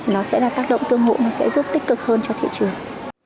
nó sẽ là tác động tương hộ nó sẽ giúp tích cực hơn cho thị trường